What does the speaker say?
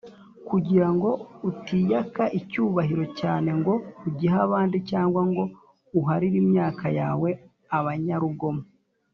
kugira ngo utiyaka icyubahiro cyane ngo ugihe abandi, cyangwa ngo uharire imyaka yawe abanyarugomo